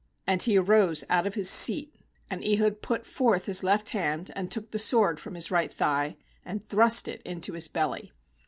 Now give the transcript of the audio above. And he arose out of ais seat. 21And Ehud put forth his .eft hand, and took the sword from us right thigh, and thrust it into his belly.